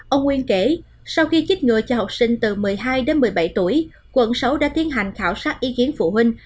ông nguyên kể sau khi chích ngừa cho học sinh từ một mươi hai đến một mươi bảy tuổi quận sáu đã tiến hành khảo sát ý kiến phụ huynh